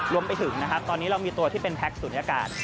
รวมไปถึงนะครับตอนนี้เรามีตัวที่เป็นแพ็คศูนยากาศ